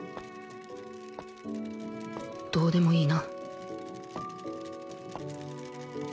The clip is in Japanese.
どうでもいいな